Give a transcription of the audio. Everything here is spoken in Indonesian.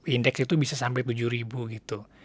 indeks itu bisa sampai tujuh ribu gitu